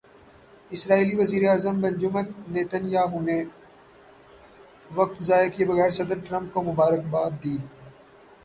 اسرائیلی وزیر اعظم Benjamin Nitin Yahoo نے وقت ضائع کیے بغیر صدر ٹرمپ کو مبارک باد دی۔